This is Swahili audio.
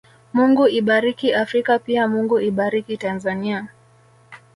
Mungu ibariki Afrika pia Mungu ibariki Tanzania